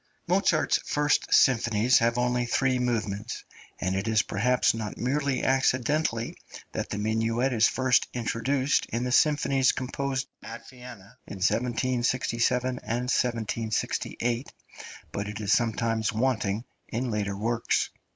Mozart's first symphonies have only three movements, and it is perhaps not merely accidentally that the minuet is first introduced in the symphonies composed at Vienna in 1767 and 1768, but it is sometimes wanting in later works.